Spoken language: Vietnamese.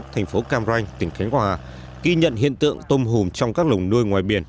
thành phố cam ranh tỉnh khánh hòa ghi nhận hiện tượng tôm hùm trong các lồng nuôi ngoài biển